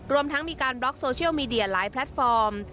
รวมทั้งมีการบล็อกโซเชียลมีเดียหลายแพลตฟอร์ม